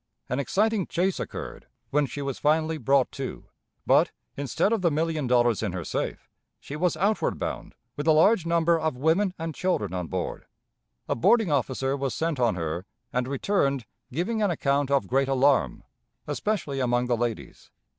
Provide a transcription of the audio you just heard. An exciting chase occurred, when she was finally brought to, but, instead of the million of dollars in her safe, she was outward bound, with a large number of women and children on board. A boarding officer was sent on her, and returned, giving an account of great alarm, especially among the ladies.